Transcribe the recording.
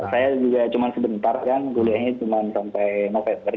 saya juga cuma sebentar kan kuliahnya cuma sampai november